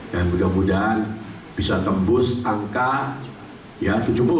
dan mudah mudahan bisa tembus angka tujuh puluh